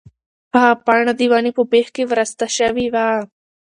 هغه پاڼه د ونې په بېخ کې ورسته شوې وه.